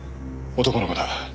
男の子だ。